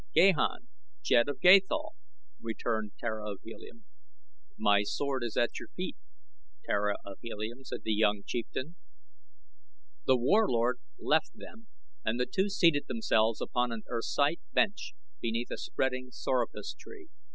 Gahan, Jed of Gathol," returned Tara of Helium. "My sword is at your feet, Tara of Helium," said the young chieftain. The Warlord left them and the two seated themselves upon an ersite bench beneath a spreading sorapus tree.